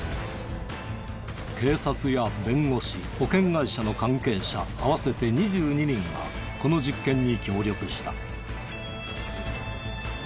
警察や弁護士保険会社の関係者合わせて２２人がこの実験に協力した。